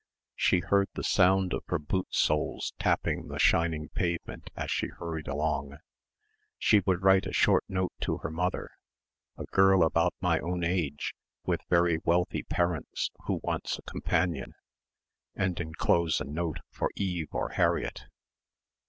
She heard the sound of her boot soles tapping the shining pavement as she hurried along ... she would write a short note to her mother "a girl about my own age with very wealthy parents who wants a companion" and enclose a note for Eve or Harriett